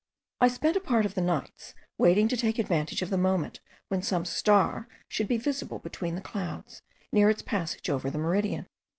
I spent a part of the nights waiting to take advantage of the moment when some star should be visible between the clouds, near its passage over the meridian.